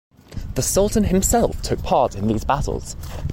The Sultan himself took part in these battles.